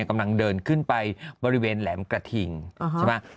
กำลังเดินขึ้นไปบริเวณแหลมกระทิงใช่ไหม